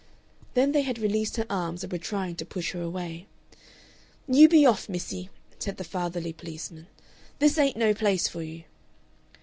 Then they had released her arms and were trying to push her away. "You be off, missie," said the fatherly policeman. "This ain't no place for you."